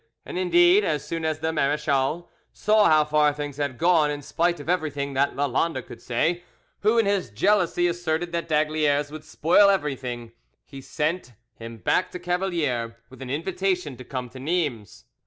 And, indeed, as soon as the marechal saw how far things had gone, in spite of everything that Lalande could say, who in his jealousy asserted that d'Aygaliers would spoil everything, he sent him back to Cavalier with an invitation to come to Nimes.